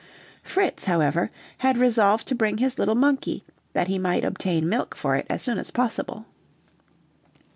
Fritz, however, had resolved to bring his little monkey, that he might obtain milk for it as soon as possible.